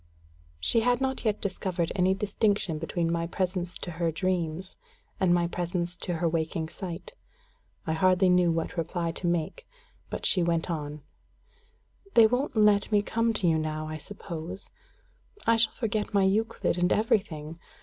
She had not yet discovered any distinction between my presence to her dreams and my presence to her waking sight. I hardly knew what reply to make; but she went on: "They won't let me come to you now, I suppose. I shall forget my Euclid and everything.